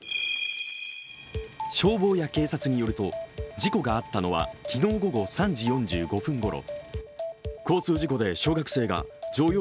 消防や警察によると、事故があったのは昨日午後３時４５分ごろ。